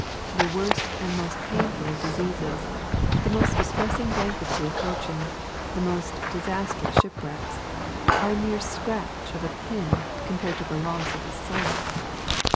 The worst and most painful of diseases — the most distressing bankruptcy of fortune — the most disas trous shipwrecks — are a mere scratch of a pin compared to the loss of a soul.